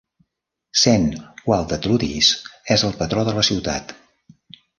Saint-Waldetrudis és el patró de la ciutat.